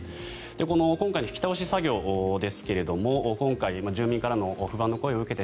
この今回の引き倒し作業ですが住民からの不安の声を受けて